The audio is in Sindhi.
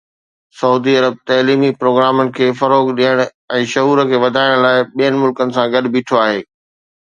سعودي عرب تعليمي پروگرامن کي فروغ ڏيڻ ۽ شعور کي وڌائڻ لاء ٻين ملڪن سان گڏ بيٺو آهي